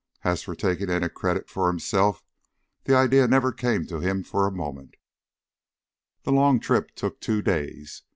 As for taking any credit for himself, that idea never came to him for a moment. The long trip took two days.